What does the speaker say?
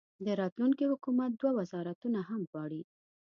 د راتلونکي حکومت دوه وزارتونه هم غواړي.